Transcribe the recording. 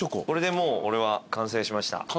これでもう俺は完成しました。